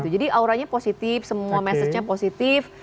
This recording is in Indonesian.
jadi auranya positif semua message nya positif